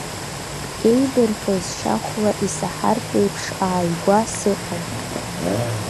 Еибырҳәоз шьахәла исаҳартә еиԥш ааигәа сыҟан.